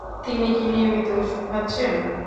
তিনি কি নিয়মিত ঔষুধ খাচ্ছেন?